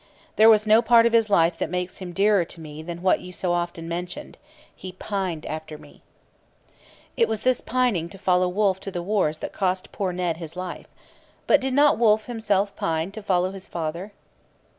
There was no part of his life that makes him dearer to me than what you so often mentioned he pined after me. It was this pining to follow Wolfe to the wars that cost poor Ned his life. But did not Wolfe himself pine to follow his father?